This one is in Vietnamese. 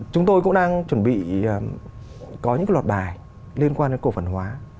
chúng tôi cũng đang chuẩn bị có những cái lọt bài liên quan đến cổ phần hóa